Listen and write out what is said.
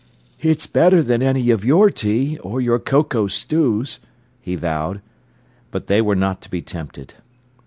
"It's better than any of your tea or your cocoa stews," he vowed. But they were not to be tempted.